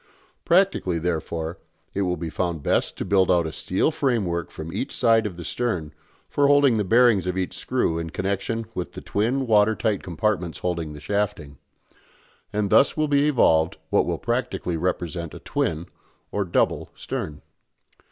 Practically, therefore, it will be found best to build out a steel framework from each side of the stern for holding the bearings of each screw in connection with the twin water tight compartments holding the shafting; and thus will be evolved what will practically represent a twin, or double, stern.